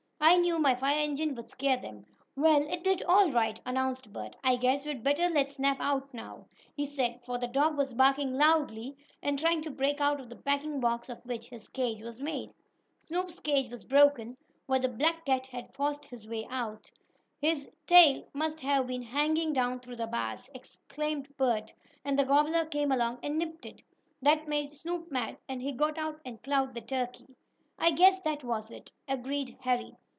"I knew my fire engine would scare them." "Well, it did all right," announced Bert "I guess we'd better let Snap out now," he said, for the dog was barking loudly, and trying to break out of the packing box of which his cage was made. Snoop's cage was broken, where the black cat had forced his way out. "His tail must have been hanging down through the bars," explained Bert, "and the gobbler came along and nipped it. That made Snoop mad, and he got out and clawed the turkey." "I guess that was it," agreed Harry.